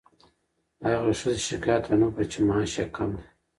هغې ښځې شکایت ونه کړ چې معاش یې کم دی.